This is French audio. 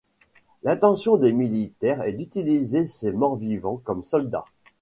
L'intention des militaires est d'utiliser ces morts-vivants comme soldats.